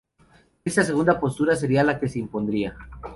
Esta segunda postura sería la que se impondría.